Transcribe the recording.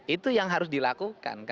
itu yang harus dilakukan